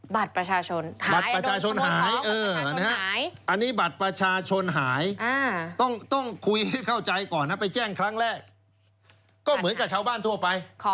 บัตรประชาชนหายบัตรประชาชนหายอันนี้บัตรประชาชนหายต้องคุยให้เข้าใจก่อนนะไปแจ้งครั้งแรกก็เหมือนกับชาวบ้านทั่วไป